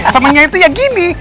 samanya itu yang gini